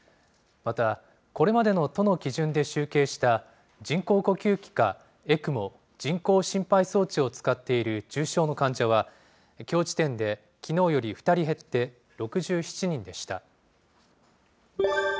また、これまでの都の基準で集計した、人工呼吸器かＥＣＭＯ・人工心肺装置を使っている重症の患者は、きょう時点できのうより２人減って６７人でした。